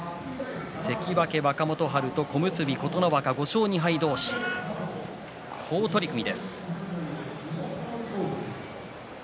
関脇若元春と小結琴ノ若５勝２敗同士、好取組です。